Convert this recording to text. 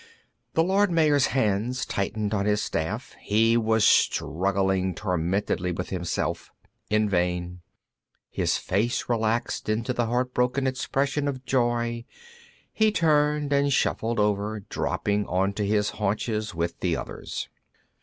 The Lord Mayor's hands tightened on the staff; he was struggling tormentedly with himself, in vain. His face relaxed into the heartbroken expression of joy; he turned and shuffled over, dropping onto his haunches with the others.